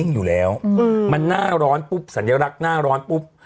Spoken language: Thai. อยู่แล้วมันหน้าร้อนปุ๊บสัญลักษณ์หน้าร้อนปุ๊บ